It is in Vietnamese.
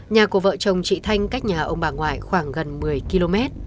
nhà của vợ chồng chị thanh cách nhà ông bà ngoại khoảng gần một mươi km